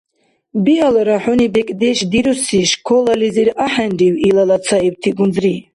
Биалра, хӀуни бекӀдеш дируси школализир ахӀенрив илала цаибти гунзри?